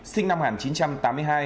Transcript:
sinh năm một nghìn chín trăm tám mươi hai